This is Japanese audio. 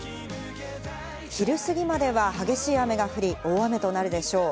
昼過ぎまでは激しい雨が降り、大雨となるでしょう。